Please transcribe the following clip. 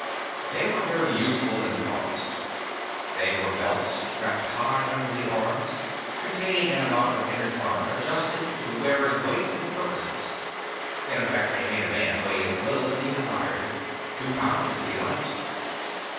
They were very useful in the forest. They were belts, strapped high under the arms, containing an amount of inertron adjusted to the wearer's weight and purposes. In effect they made a man weigh as little as he desired; two pounds if he liked.